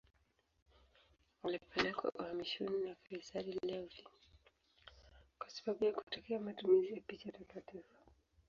Alipelekwa uhamishoni na kaisari Leo V kwa sababu ya kutetea matumizi ya picha takatifu.